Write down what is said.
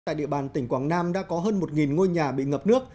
tại địa bàn tỉnh quảng nam đã có hơn một ngôi nhà bị ngập nước